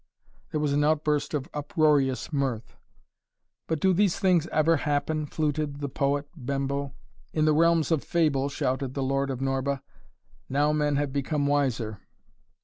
There was an outburst of uproarious mirth. "But do these things ever happen?" fluted the Poet Bembo. "In the realms of fable," shouted the Lord of Norba. "Now men have become wiser."